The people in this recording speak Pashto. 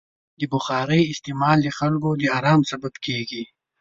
د بخارۍ استعمال د خلکو د ارام سبب کېږي.